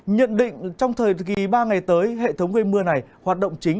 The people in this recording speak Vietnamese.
nhận định trong thời kỳ ba ngày tới hệ thống gây mưa này hoạt động chính